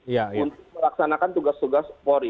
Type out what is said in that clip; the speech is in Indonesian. untuk melaksanakan tugas tugas pori